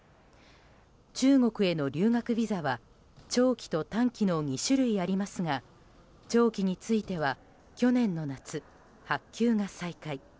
中国への留学ビザは長期と短期の２種類ありますが長期については去年の夏、発給が再開。